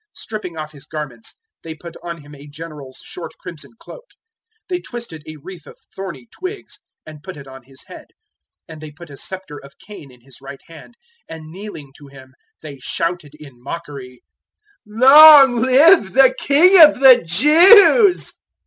027:028 Stripping off His garments, they put on Him a general's short crimson cloak. 027:029 They twisted a wreath of thorny twigs and put it on His head, and they put a sceptre of cane in His right hand, and kneeling to Him they shouted in mockery, "Long live the King of the Jews!"